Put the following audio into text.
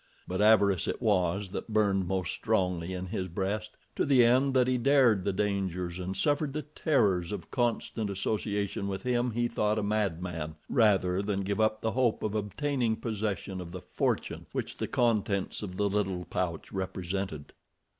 But avarice it was that burned most strongly in his breast, to the end that he dared the dangers and suffered the terrors of constant association with him he thought a mad man, rather than give up the hope of obtaining possession of the fortune which the contents of the little pouch represented.